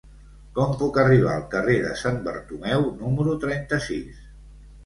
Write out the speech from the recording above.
Com puc arribar al carrer de Sant Bartomeu número trenta-sis?